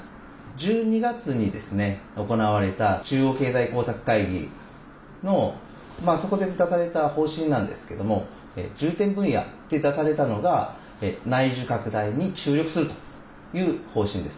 １２月に行われた中央経済工作会議のそこで出された方針なんですけども重点分野で出されたのが内需拡大に注力するという方針です。